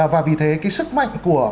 và vì thế cái sức mạnh của